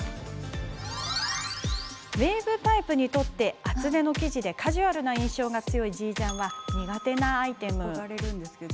ウエーブタイプにとって厚手の生地でカジュアルな印象が強いＧジャンは苦手なアイテム。